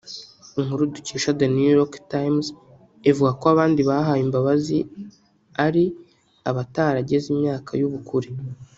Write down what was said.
Inkuru dukesha The New York Times ivuga ko abandi bahawe imbabazi ari abatarageza imyaka y’ubukure